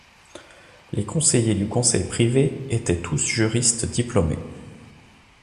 Les conseillers du Conseil privé étaient tous juristes diplômés.